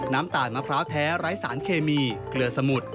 น้ำตาลมะพร้าวแท้ไร้สารเคมีเกลือสมุด